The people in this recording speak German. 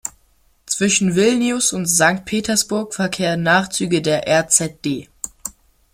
Zwischen Vilnius und Sankt Petersburg verkehren Nachtzüge der RŽD.